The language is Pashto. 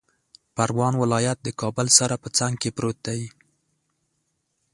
پروان ولایت د کابل سره په څنګ کې پروت دی